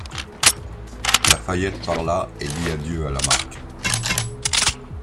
Lafayette parla et dit adieu à Lamarque.